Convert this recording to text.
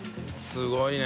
すごいね。